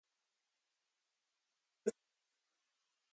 Stanley and Clara both attended the Art Academy of Cincinnati.